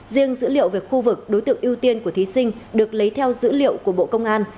riêng dữ liệu về khu vực đối tượng ưu tiên của thí sinh được lấy theo dữ liệu của bộ công an